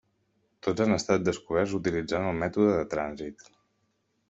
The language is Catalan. Tots han estat descoberts utilitzant el mètode de trànsit.